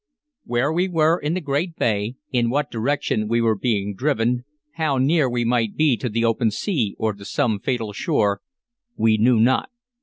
Where we were in the great bay, in what direction we were being driven, how near we might be to the open sea or to some fatal shore, we knew not.